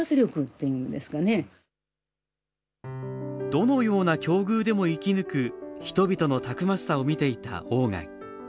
どのような境遇でも生き抜く人々のたくましさを見ていた鴎外。